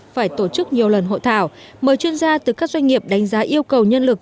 phải tổ chức nhiều lần hội thảo mời chuyên gia từ các doanh nghiệp đánh giá yêu cầu nhân lực